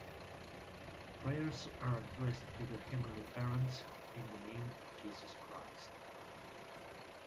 Prayers are addressed to the "Heavenly Parents" in the name of Jesus Christ.